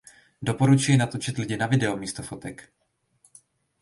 Doporučuji natočit lidi na video místo fotek.